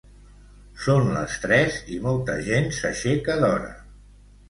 Són les tres i molta gent s'aixeca d'hora.